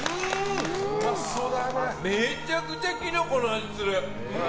めちゃくちゃキノコの味する！